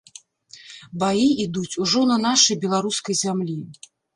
Баі ідуць ужо на нашай беларускай зямлі.